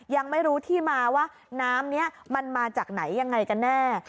ยังไม่รู้ที่มาว่าน้ำนี้มันมาจากไหนยังไงกันแน่